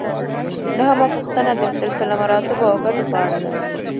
نهمه پوښتنه د سلسله مراتبو او ګټو په اړه ده.